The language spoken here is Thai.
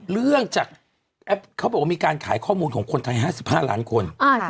เรื่องจากแอปเขาบอกว่ามีการขายข้อมูลของคนไทย๕๕ล้านคน